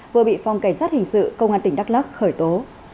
vừa bị phòng cảnh sát hình sự công an tỉnh đắk lắc khởi tố